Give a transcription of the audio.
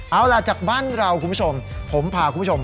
เอาล่ะจากบ้านเราคุณผู้ชม